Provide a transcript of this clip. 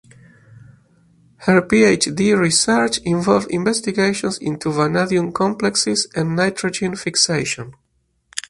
Her PhD research involved investigations into vanadium complexes and nitrogen fixation.